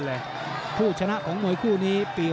หรือว่าผู้สุดท้ายมีสิงคลอยวิทยาหมูสะพานใหม่